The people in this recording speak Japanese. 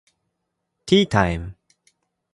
ティータイム